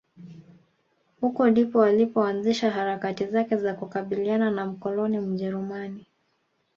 huko ndipo alipo anzisha harakati zake za kukabiliana na mkoloni Mjerumani